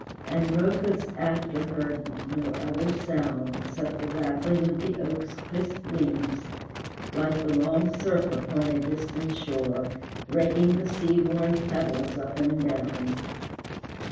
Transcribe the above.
And Rhœcus after heard no other sound, Except the rattling of the oak's crisp leaves, Like the long surf upon a distant shore, Raking the sea worn pebbles up and down.